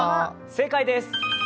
正解です。